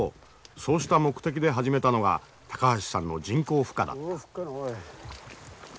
そうした目的で始めたのが高橋さんの人工孵化だった。